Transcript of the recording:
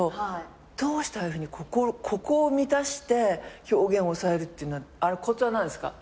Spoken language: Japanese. どうしてああいうふうにここを満たして表現を抑えるっていうのはあれコツは何ですか？